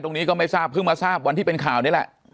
ก็ไม่ทราบเพิ่งมาทราบวันที่เป็นข่าวนี่แหละ